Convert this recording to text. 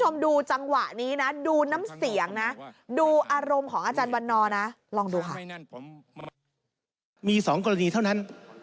มีสองกรณีเท่านั้น